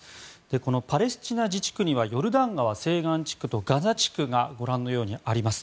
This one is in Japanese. このパレスチナ自治区にはヨルダン川西岸地区とガザ地区がご覧のようにあります。